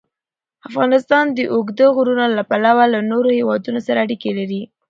افغانستان د اوږده غرونه له پلوه له نورو هېوادونو سره اړیکې لري.